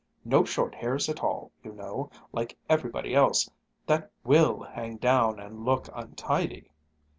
"No short hairs at all, you know, like everybody else, that will hang down and look untidy!"